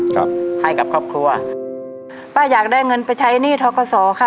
ครับให้กับครอบครัวป้าอยากได้เงินไปใช้หนี้ท้อกศค่ะ